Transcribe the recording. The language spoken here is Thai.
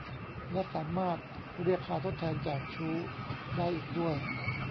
และสามารถเรียกค่าทดแทนจากชู้ได้อีกด้วย